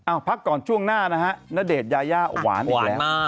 เอาพักก่อนช่วงหน้านะฮะณเดชน์ยายาหวานอีกแล้ว